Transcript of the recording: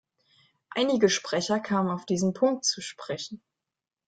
Einige Sprecher kamen auf diesen Punkt zu sprechen.